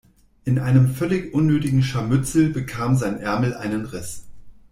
In einem völlig unnötigen Scharmützel bekam sein Ärmel einen Riss.